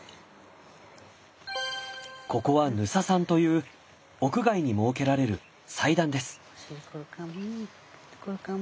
ここは「ヌササン」という屋外に設けられる祭壇です。